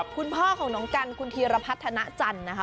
คุณพ่อของน้องกันคุณธีรพัฒนาจันทร์นะคะ